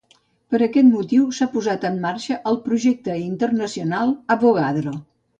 Per aquest motiu s'ha posat en marxa el Projecte Internacional Avogadro.